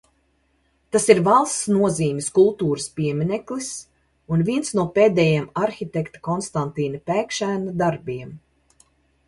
Tas ir valsts nozīmes kultūras piemineklis un viens no pēdējiem arhitekta Konstantīna Pēkšēna darbiem.